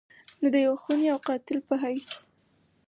نو د يو خوني او قاتل په حېث